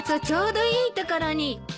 ちょうどいいところに。